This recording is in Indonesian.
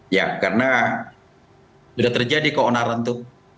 ya karena sudah terjadi keonaran itu